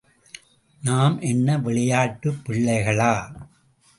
நாம் என்ன விளையாட்டுப் பிள்ளைகளா?